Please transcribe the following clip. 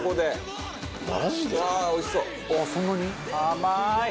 甘い！